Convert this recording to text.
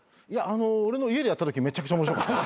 俺の家でやったときめちゃくちゃ面白かった。